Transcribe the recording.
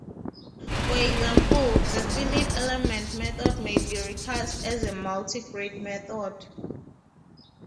For example, the finite element method may be recast as a multigrid method.